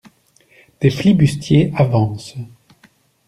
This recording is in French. Des flibustiers avancent.